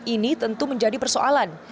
ini tentu menjadi persoalan